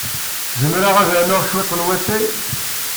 Zemreɣ ad rnuɣ cwiṭ n watay?